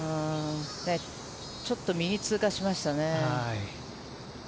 ちょっと右を通過しましたね。